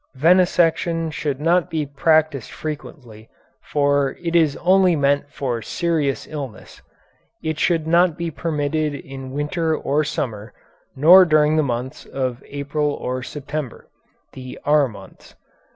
18. Venesection should not be practised frequently, for it is only meant for serious illness. It should not be permitted in winter or summer, nor during the months of April or September (the "r" months).